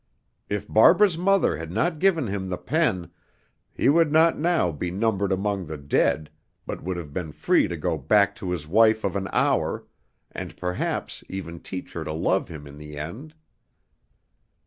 If Barbara's mother had not given him the pen, he would not now be numbered among the dead, but would have been free to go back to his wife of an hour, and perhaps even teach her to love him in the end.